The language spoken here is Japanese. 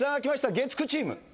月９チーム！